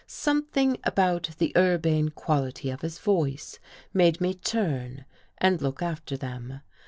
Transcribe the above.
Something about the urbane quality of his voice made me turn and look after them.